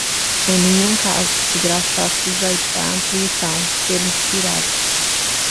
Em nenhum caso poderá estar sujeito a ampliação, termo expirado.